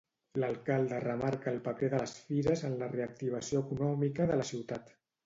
L'alcalde remarca el paper de les fires en la reactivació econòmica de la ciutat.